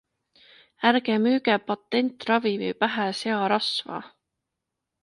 ärge müüge patentravimi pähe searasva!